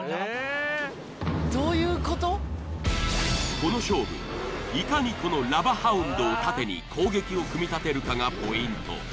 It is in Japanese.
この勝負いかにこのラヴァハウンドを盾に攻撃を組み立てるかがポイント。